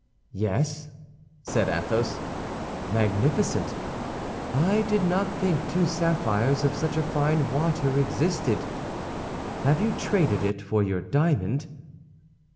"Yes," said Athos, "magnificent. I did not think two sapphires of such a fine water existed. Have you traded it for your diamond?"